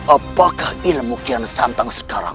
apakah ilmu kian santang sekarang